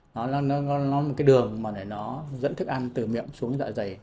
nó là một đường dẫn thức ăn từ miệng xuống đến dạ dày